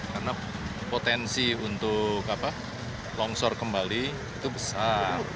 karena potensi untuk longsor kembali itu besar